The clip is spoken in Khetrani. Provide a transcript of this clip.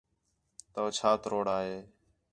تُو چھا تروڑا ہے